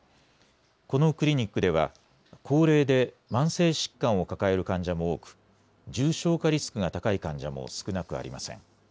このクリニックでは、高齢で慢性疾患を抱える患者も多く、重症化リスクが高い患者も少なくありません。